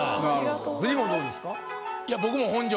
フジモンどうですか？